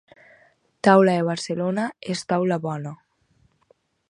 Taula de Barcelona és taula bona.